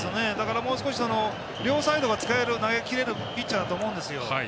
もう少し両サイドが使える投げ切れるピッチャーだと思うんですよ。